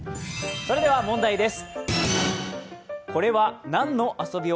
それでは問題です。